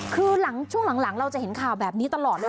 คือหลังช่วงหลังเราจะเห็นข่าวแบบนี้ตลอดเลย